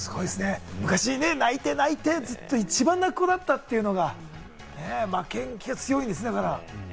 昔、泣いて泣いて、ずっと一番泣く子だったというのが、負けん気が強いんですね、だから。